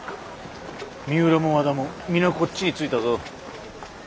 三浦も和田も皆こっちについたぞ。